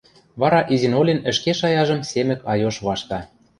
Вара изин-олен ӹшке шаяжым Семӹк айош вашта.